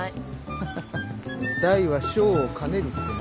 ハハハ大は小を兼ねるってな。